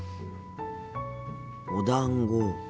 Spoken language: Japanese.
おだんご。